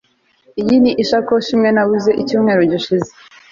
Iyi ni isakoshi imwe nabuze icyumweru gishize